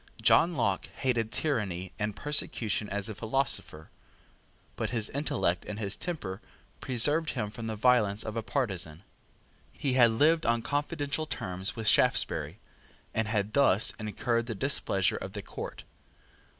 John Locke hated tyranny and persecution as a philosopher; but his intellect and his temper preserved him from the violence of a partisan. He had lived on confidential terms with Shaftesbury, and had thus incurred the displeasure of the court.